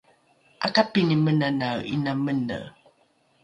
’akapini menanae ’ina mene?